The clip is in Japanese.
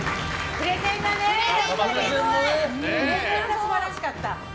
プレゼンが素晴らしかった。